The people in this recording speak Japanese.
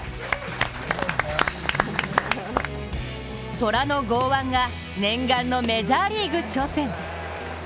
虎の剛腕が念願のメジャーリーグ挑戦。